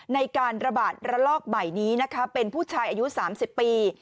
ในการระบาดระลอกใหม่นี้นะคะเป็นผู้ชายอายุ๓๐ปี